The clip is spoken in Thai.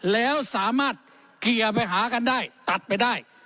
แล้วสามารถเคลียร์ไปหากันได้ตัดไปได้